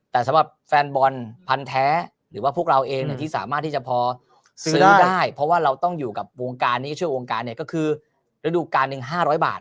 แต่สำหรับแฟนบอลพันธ์แท้หรือว่าพวกเราเองที่สามารถที่จะพอซื้อได้เพราะว่าเราต้องอยู่กับวงการนี้ชื่อวงการเนี่ยก็คือฤดูการหนึ่ง๕๐๐บาท